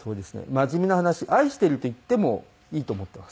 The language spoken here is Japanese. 真面目な話愛してると言ってもいいと思ってます。